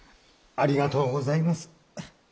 ありがとうございます。